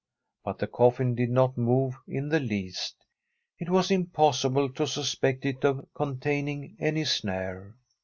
But the coffin did not move in the least; it was impossible to suspect it of containing any snare.